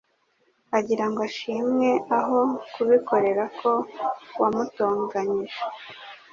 agirango ashimwe aho kubikorera ko wamutonganyije